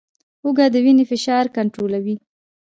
هوږه د وینې فشار کنټرولوي